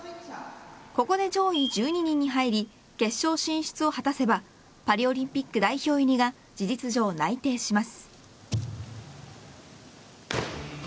ここで上位１２人に入り決勝進出を果たせばパリオリンピック代表入りが事実上、内定します。